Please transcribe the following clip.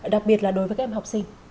đặc biệt là đối với các em học sinh